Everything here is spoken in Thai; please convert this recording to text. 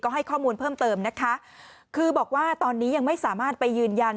ให้ข้อมูลเพิ่มเติมนะคะคือบอกว่าตอนนี้ยังไม่สามารถไปยืนยัน